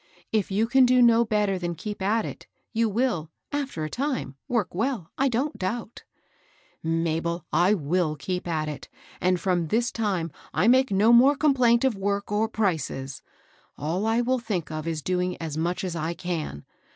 If you can do no better than keep at it, you will, after a time, work well, I don't doubt." ^^ Mabel, I iMl keep at it ; and from this time I 18 J 194 MABEL ROSS. make no more complaint of work or prices ; all I will think of is doing as mncli as I can.